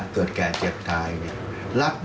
เกิดแก่เจ็บทาย